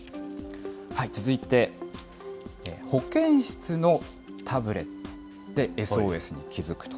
続いて、保健室のタブレットでＳＯＳに気付くと。